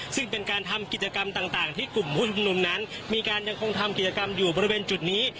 ซึ่งเป็นการทำกิจกรรมต่างที่กลุ่มผู้ชุมนุมนั้นมีการยังคงทำกิจกรรมอยู่บริเวณจุดนี้